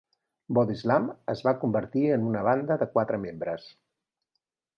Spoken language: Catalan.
Bodyslam es va convertir en una banda de quatre membres.